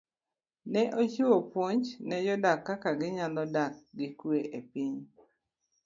Ne ochiwo puonj ne jodak kuom kaka ginyalo dak gi kwee e piny.